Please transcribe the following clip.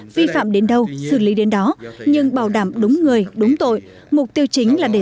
vi phạm đến đâu xử lý đến đó nhưng bảo đảm đúng người đúng tội mục tiêu chính là để